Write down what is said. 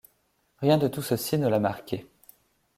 Rien de tout ceci ne l’a marqué.